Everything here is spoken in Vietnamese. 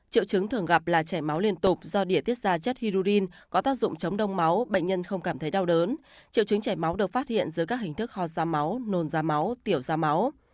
triệu chứng thường gặp là chảy máu liên tục do đỉa tiết ra chất hirurin có tác dụng chống đông máu bệnh nhân không cảm thấy đau đớn triệu chứng chảy máu được phát hiện dưới các hình thức hò da máu nồn da máu tiểu da máu